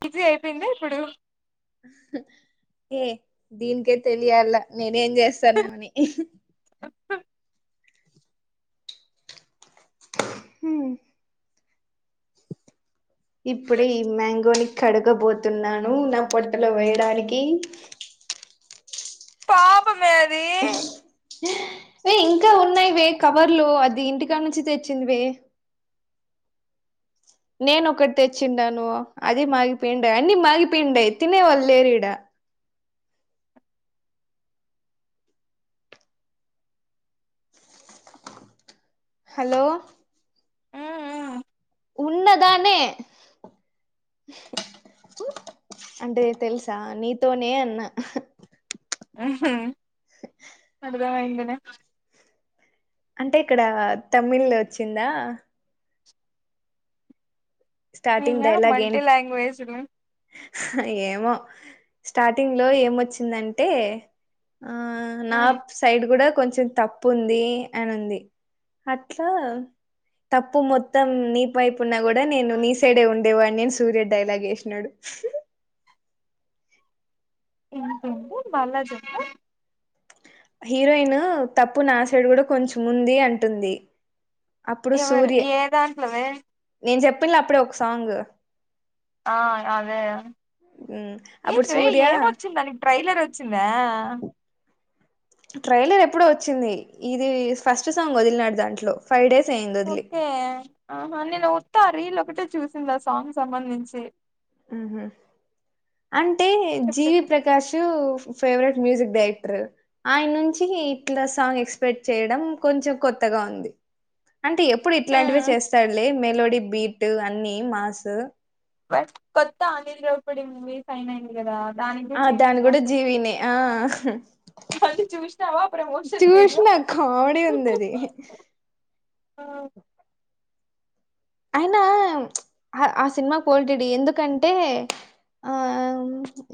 Busy అయిపోయిందా ఇప్పుడు ఏ దీనికే తెలియాల నేనేం చేస్తానని హమ్ ఇప్పుడే ఈ మ్యాంగోని క్ కడగబోతున్నాను నా పొట్టలో వేయడానికి పాపం వే ఇంకా ఉన్నాయివే కవర్లు అది ఇంటికాడ నుండి తెచ్చింది వే నేను ఒకటి తెచ్చిండాను అది మాగిపోయిండయి అన్ని మాగిపోయిండాయి తినేవాళ్లు లేరు ఈడ హాలో మ్మ్ ఉన్నదానే అంటే తెలుసా నీతోనే అన్నా అర్ధమైందిలే అంటే ఇక్కడ తమిళ్ వచ్చిందా స్టార్టింగ్ ఇంగా డైలాగ్ ఏం మల్టీ లాంగ్వేజ్లు ఏమో స్టార్టింగ్ లో ఏమొచ్చిందంటే ఆ నా ఇంకేంటి సైడ్ కూడా కొంచెం తప్పు ఉంది అన్ని ఉంది అట్లా తప్పు మొత్తం ని పైపు ఉన్నా కూడా నేను నీ సైడే ఉండేవాన్ని సూర్య డైలాగ్ ఎసినాడు ఇంకేంటి మళ్ళ చెప్పు హీరోయిన్ తప్పు నా సైడు కూడా కొంచెం ఉంది అంటుంది అప్పుడు ఎవరు సూరీ ఏ దాంట్లోవే నేను చెప్పిన్లే అప్పుడే ఒక సాంగ్ ఆ అదే అప్పుడు ఏంటిరే సూర్య ఏమొచ్చిందానీ ట్రైలర్ వచ్చిందా ట్రైలర్ ఎప్పుడో వచ్చింది ఇది ఫస్ట్ సాంగ్ వదిలినాడు దాంట్లో ఫైవ్ డేస్ అయింది వదిలి ఓకే ఆహా నేను ఉత్తా రీల్ ఒకటే చూసిన ఆ సాంగ్ సంబంధించి ఉహు అంటే చెప్పు జీవి చెప్పు ప్రకాషు ఫేవరెట్ మ్యూజిక్ డైరెక్టర్ ఆయన నుంచి ఇట్లా సాంగ్ ఎక్స్‌పెక్ట్ చేయడం కొంచెం కొత్తగా ఉంది అంటే ఎప్పుడూ ఇట్లాంటివే మ్మ్ చేస్తాడు లే మెలోడీ బీట్ అన్ని మాస్ బట్ కొత్త అనిల్ రావిపూడి మూవీ ఫైన్ అయింది కదా దాని ఆ గురించి ఏం దాని కూడా జీవినే ఆ పంది చూసినావా ప్రమోషన్ వీడియో చూసిన కామెడీ ఉంది అది ఆ అయినా ఆ సినిమా కోల్టిడి ఎందుకంటే ఆ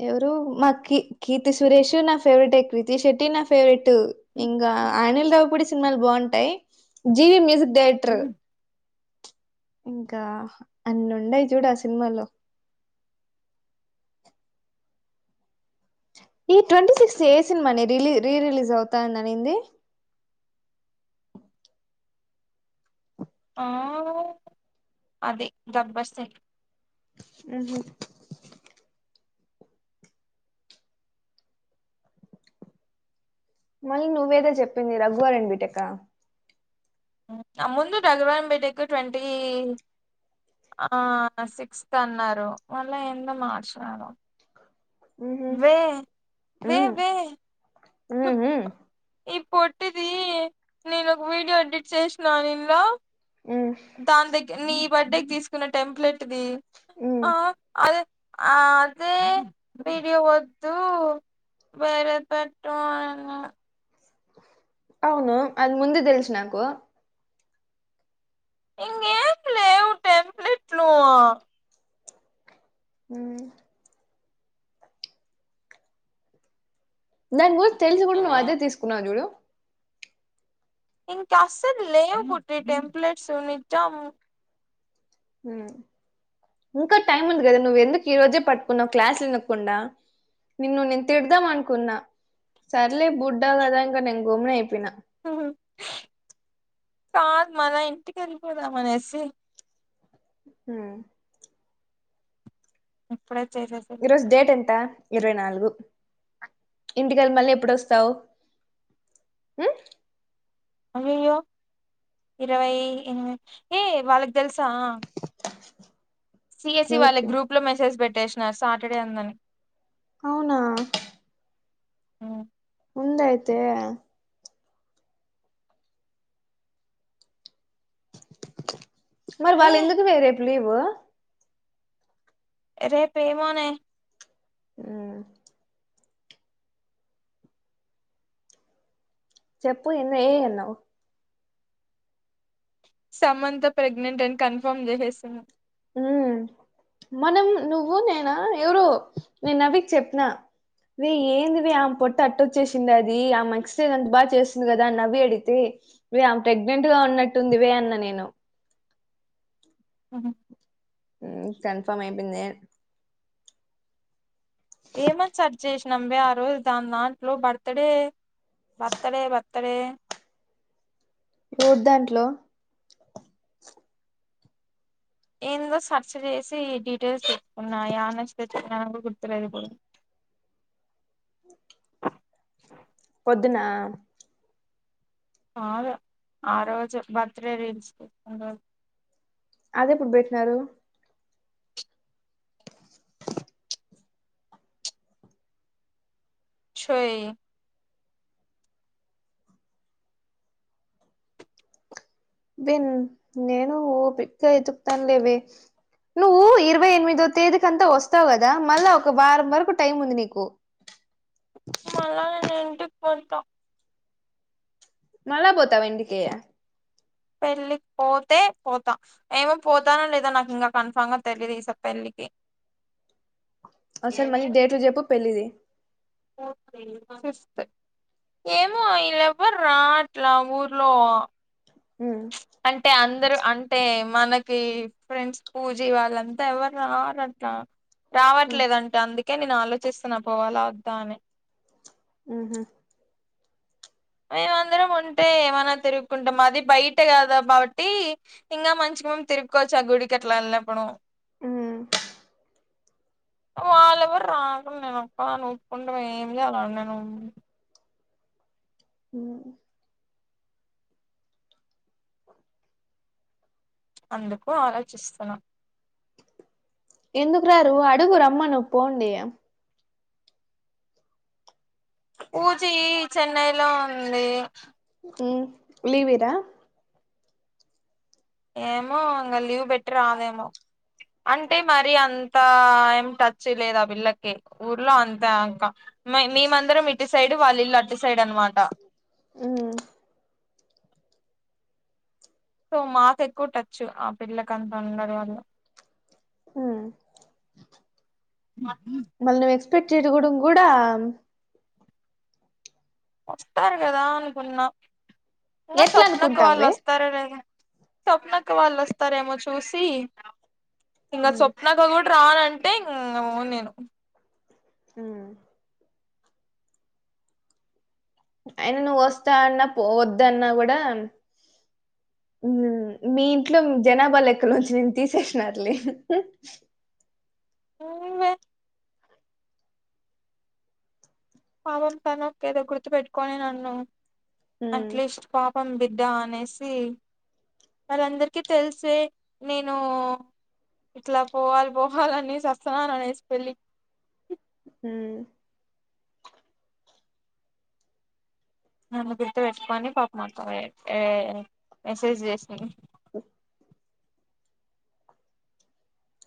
ఎవరు మా కీ కీర్తి సురేష్ నా ఫేవరెట్ కీతి శెట్టి నా ఫేవరెట్ టూ ఇంకా అనిల్ రావిపూడి సినిమాలు బాగుంటాయి జివి మ్యూజిక్ డైరెక్టర్ ఇంకా అన్ని ఉండాయి చూడు ఆ సినిమాలో ఈ ట్వంటీ సిక్స్ ఏ సినిమా నే రిలీ రీ రిలీజ్ అవుతాని అనింది ఆ అదే జబ్బర్ సింగ్ ఉహుమ్ మళ్ళీ నువ్వేదో చెప్పింది రఘువరన్ బిటెక్ ఆ ముందు రఘువరన్ బీటెక్ ట్వంటీ ఆ సిక్స్త్ అన్నారు మళ్ళా ఎందో మార్చినారు ఉహు వెేేే ఉ వే వే ఉహు ఈ పొట్టిది నేను ఒక వీడియో ఎడిట్ చేసినా న ఇందులో ఉ దాని దగ్గ నీ బర్డేకి తీసుకున్న టెంప్లెట్ ది ఉ ఆ అదే ఆ అదే వీడియో వద్దు వేరే పెట్టు అన్ అవును అది ముందే తెలుసు నాకు ఇంగ ఏం లేవు టెంప్లేట్ లు అమ్ దాని గురించి తెలిసి కూడా నువ్వు అదే తీసుకున్నావు చూడు ఇంకా అస్సలు లేవు పోట్టి టెంప్లెట్స్ నిజం హమ్ ఇంకా టైం ఉంది కదా నువ్వు ఎందుకు ఈ రోజే పట్టుకున్నావు క్లాస్ వినకుండా నిన్ను నేను తిడదాం అనుకున్నా సర్లే బుడ్డా కదా ఇంకా నేను గోమ్న అయిపోయినా కాదు మన ఇంటికి వెళ్ళిపోదాం అనేసి హమ్ ఇప్పుడే చేసేసి ఈరోజు డేట్ ఎంత ఇరవై నాలుగు ఇంటికెళ్లి మళ్ళీ ఎప్పుడు వస్తావు ఉమ్? అయయ్యో ఇరవై ఏ వాళ్ళకి తెలుసా సిఎస్ఈ వాళ్ళ ఎవరికి గ్రూప్ లో మెసేజ్ పెట్టేసినారు సాటర్డే అందని అవునా ఉమ్ ముందైతే వే రే వాళ్ళు ఎందుకు వే రేపు లీవు రేప ఏమోనే ఆ చెప్పు ఇంగ ఏమన్నావు సమంత ప్రెగ్నెంట్ అని కన్ఫర్మ్ చేసేసాను ఉ మనం నువ్వు నేనా ఎవరు నేను నవికి చెప్పిన వే ఏందివే ఆమె పొట్ట అట్టొచ్చేసుండాది అది ఆమె ఎక్సర్సైజ్ అంత బాగా చేస్తుంది కదా నవ్య అడిగితే ప్రెగ్నెంట్ గా ఉన్నట్టుంది వే అన్న నేను అహ కన్ఫర్మ్ ఐపోయింది ఏమని సర్జ్ చేసినం వే ఆ రోజు దాని దాంట్లో birthday birth day birth day ఎవరి దాంట్లో ఏందో సర్చ చేసి డీటెయిల్స్ చెసుకున్నా యన్న గుర్తులేదు [unintelligible] ఆ రోజు బర్త్డే రీల్స్ తీసిన రోజు అది ఎప్పుడు పెట్టినారు షో ఇ విన్ నేను ఓపిగా ఎతుకుతాను లేవ నువ్వు ఇరవై ఎనిమిదో తేదీకి అంతా వస్తావు కదా మళ్ళా ఒక వారం వరకు టైం ఉంది నీకు మళ్ళ నే ఇంటికి పోతా మళా పోతావా ఇంటికి పెళ్లిికి పోతే పోతాం ఏమో పోతానో లేదా నాకు ఇంకా కన్ఫామ్ గా తెలిదు ఈసారి పెళ్లిికి కి అసల్ మళ్ళీ డేట్లు చెప్పు పెళ్ళిది ఒకే మదర్స్ డే ఏమో ఎవర్రాట్లా ఊర్లో హ్మ్ అంటే అందరూ అంటే మనకి ఫ్రెండ్స్ పూజీ వాళ్ళంతా ఎవరు రావరు అట్లా రావట్లేదంటే అందుకే నేను ఆలోచిస్తున్నా పోవాల వద్దా అని ఉహూ మేమందరం అంటే ఏమనా తిరుగుకుంటాం అది బయట కాదా కాబట్టి ఇంకా మంచి తిరుకువచ్చా గుడికట్లా వెళ్లినప్పుడు వాళ్ళ కూడా రాబండ్లేదు అక్క నేను ఒక్కదాని ఒప్పుకుంటే ఏమి లే అలా నేను ఉ అందుకు ఆలోచిస్తున్న ఎందుకు రాారు అడుగు రమ్మ ను పోండి పూజీ చెన్నైలో ఉంది ఉ లీవ్ ఈరా ఏమో ఇంకా లీవ్ బెట్టి రాదేమో అంటే మరి అంతా ఏం టచ్ లేదా పిల్ళకి ఊర్లో అంతా ఇంకా మేమందరం ఇటు సైడు వాళ్ళ ఇల్లు అటు సైడ్ అనమాట ఉమ్మ్ సో మాకు ఎక్కువ టచ్ ఆ పిల్లక అంతా ఉండడం వల్ల మళ్లీ మళ్ళీ ఎక్స్పెక్ట్ చేయకో కూడా వస్తారు కదా అనుకున్నా ఇగ ఎట్లా స్వప్నకు వాళ్ళు అనుకుంటావే వస్తారేనే స్వప్న అక్ అక్క వాళ్ళు వస్తారేమో చూసి ఇంకా స్వప్నాక కూడా రానం టే నువ్వు నేను ఉ అయిన నువ్వు వస్తా అన్న పో వద్ద అన్న కూడా ఉ మీ ఇంట్లో జనాభా లెక్క నుంచి నేను తీసేసినరూలే వును వే పాపం తను అక్క ఏదో గుర్తు పెెట్టుకని నన్ను అట్లీస్ట్ పాప్ పం బిడ్డ అనేసి వాళందరికిీ తెలిసే నేను ఇట్లా పోవాలి పోవాలనిసి సస్తున్నారు అనేసి పెళ్ళి ఉ నన్ను గుర్తు పెట్టుకోని పాపం వే ఏ మెసేజ్ చేసింది ఉ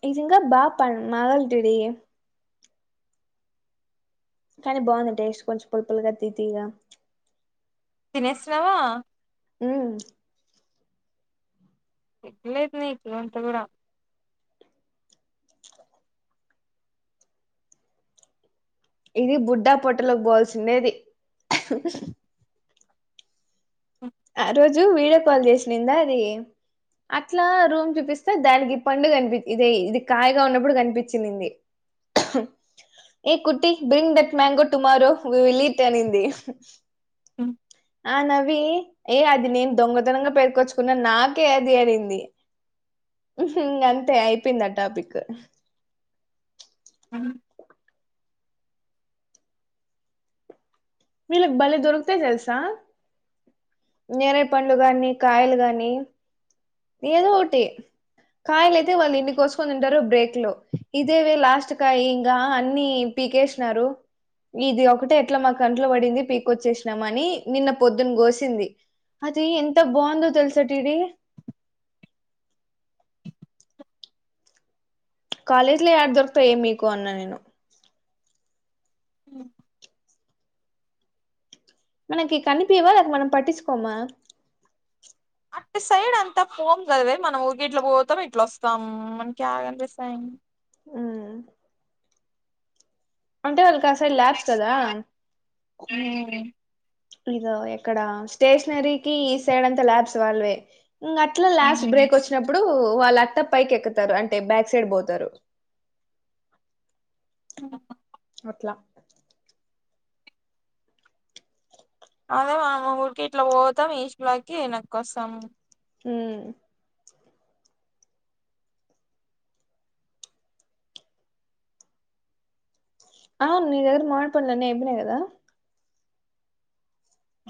ఇది ఇంగా బపా మాగాలి దుడి కానీ బాది టేస్ట్ కొంచెం పులు పులుగా తీ తీగా తినేసినావా ఉ లేదు నీకి రోంత గూడ ఇది బుడ్డా పొట్టలోకి పోల్సిినేది ఆ రోజు వీడియో కాల్ చేసందిందా అది అట్లా రూమ్ చూపిస్తే దానికి పండు కనిపి ఇది ఇది కాయగా ఉన్నప్పుడు కనిపించిందింది ఏ కుటి bring that mango tomorrow we will it అనింది అ ఆ నవి ఏ అది నేను దొంగతనంగా పేర్కొచ్చుకున్న నాకే అది అనింది ఉహు అంతే అయిపోయింది ఆ టాపిక్ అ వీళ్ళకి బలే దొరుకుతాయి తెలుసా నేరెడీ పండ్లు గానీ కాయలు గాని ఏదో ఒటి కాయిలు అయితే వాళ్ళు ఎన్ని కోసుకొని ఉంటారో బ్రేక్ లో ఇదేవే లాస్ట్ కాయి ఇంకా అన్ని పీకేసినారు ఇది ఒకటే ఎట్లా మా కంట్లో పడింది పీకొచ్చేసినాము అని నిన్న పొద్దున్న గోసింది అది ఎంత బాదో తెలుసా టిడి కాలేజ్ లో యాడ దొరుకుతాయే మీకు అన్నా నేను ఉ మనకి కనిపియావా అది మనం పట్టిించుకోమ అటు సైడ్ అంతా పోము గాదా వే మనం ఊరికె ఇట్లా పోతాము ఇట్లా వస్తాం మనకి యాడ కనిపిస్తాయని ఉ అంటే వాళ్ళకు ఆ సైడ్ ల్యాబ్స్ కదా ఇదో ఎక్కడ స్టేషనరీకి ఈ సైడ్ అంతా ల్యాబ్స్ వాళ్ళవే ఇగ అట్లా లాస్ట్ బ్రేక్ వచ్చినప్పుడు వాళ్ళ అట్ త్త పైకి ఎక్కతారు అంటే బ్యాక్ సైడ్ పోతారు ఆ లా అదే మనం ఊరికె ఇట్లా పోతాం ఈశలాకి వెనక్కి వస్తాం హ అవునుద ఎదురు మా పంలేనే ఎబిన కదా [unintelligible]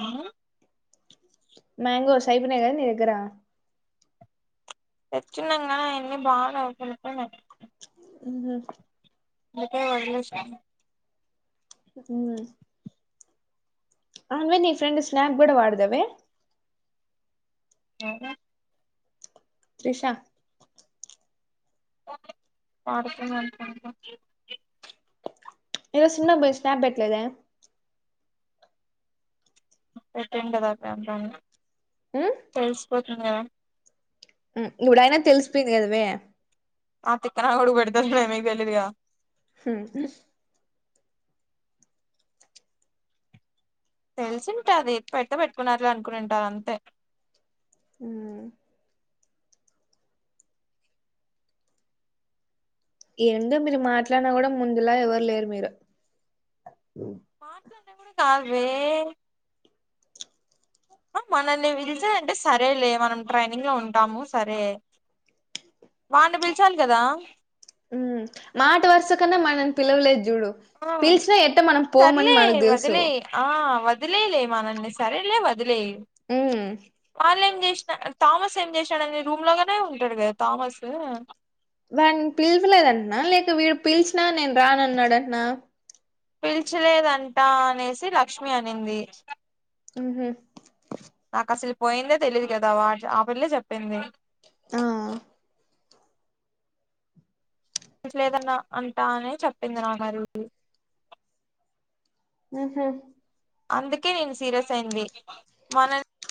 ఆ మాంగోస్ అయిపోయినయ్ గదా నీ దగ్గర తెచ్చన్నాంగా ఎన్ని బాగా నకు [unintelligible] అ అందుకే వదిలేసాను అ అవును నీ ఫ్రెండ్ స్నాప్ కూడ వాడదవే ఏమో త్రిష పడుతు [unintelligible] ఈరోజు సినిమాకి పొయి స్నాప్ పెట్లేదే పెట్టేం కదా [unintelligible] ప్రంత ఉమ్ తెలిసిపోతుంది కదా ఇప్పుడయినా తెలిసిపోయింది కదమే ఆ తిక్కనాకొడుకు పెడితే మీకు తెలియదు గదా హ తెలిసింటాది పెడితే పెట్టుకున్నర్లే అనుకునింటారు అంతే అ ఏందో మీరు మాట్లాడినా కూడా ముందులా ఎవరు లేరు మీరు కాాల ర [unintelligible] అ మనల్ని పిలిచారంటే సరేలే మనం ట్రైనింగ్ లో ఉంటాము సరే వాన్ని పిలచాలి కదా ఉ మాట వరస కన్నా మనని పిలవలేదు చూడు ఆ పిలిచినా ఎట్ట మనం పోమని మనకు తెలుసు వదిలేయిలే మనల్ని సరేలే వదిలేయి ఉమ్ వాళ్ళని చేసిన తామస్ ఏం చేసినడని రూమ్ లోనే ఉంటాడు కదా తామస్ వాని పిలచలేదంటనా లేక వీడు పిలిచినా నేను రానన్నాడటనా పిల్చలేదంటా అనేసి లక్ష్మి అనింది ఆహ నాకు అసలు పోయిందే తెలిదు కదా వాడు ఆ పిళ్ల్ళ చెప్పింది ఆ ఇట్లేదన్న అంటా అనే చెప్పింది నాకు మరి ఉహ అందుకే నేను సీరియస్ అయింది మన